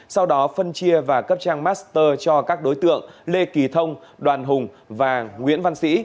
sau đó phân chia và cấp trang master cho các đối tượng lê kỳ thông đoàn hùng và nguyễn văn sĩ